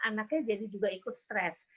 anaknya jadi juga ikut stres